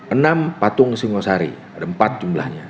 enam patung singosari ada empat jumlahnya